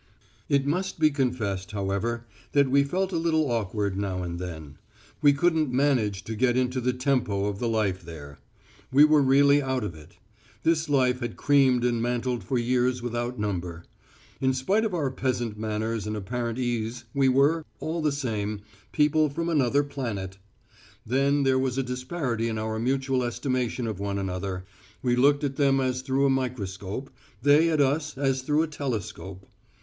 It must be confessed, however, that we felt a little awkward now and then. We couldn't manage to get into the tempo of the life there. We were really out of it. This life had creamed and mantled for years without number. In spite of our pleasant manners and apparent ease we were, all the same, people from another planet. Then there was a disparity in our mutual estimation of one another: we looked at them as through a microscope, they at us as through a telescope.